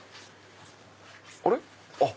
あれ⁉